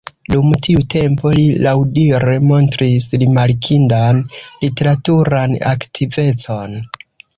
Dum tiu tempo li laŭdire montris rimarkindan literaturan aktivecon.